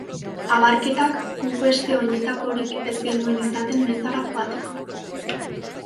Abarketak, guk beste oinetakorik ez genuen izaten mezara joateko.